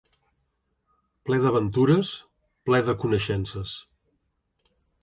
Ple d’aventures, ple de coneixences.